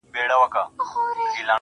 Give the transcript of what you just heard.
وه ه ته به كله زما شال سې ؟